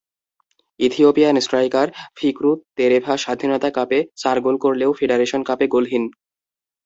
Ethiopian striker Fikru তেরেফা স্বাধীনতা কাপে চার গোল করলেও ফেডারেশন কাপে গোলহীন।